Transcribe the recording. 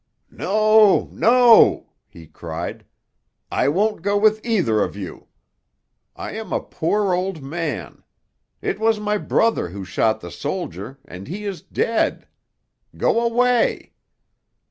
"No, no!" he cried; "I won't go with either of you. I am a poor old man. It was my brother who shot the soldier, and he is dead. Go away!"